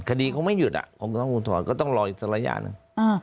คดีเขาไม่หยุดผมก็ต้องอุทธรณ์ก็ต้องรออีกสักระยะหนึ่ง